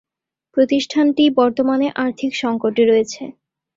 প্রতিষ্ঠানটি বর্তমানে আর্থিক সংকটে রয়েছে।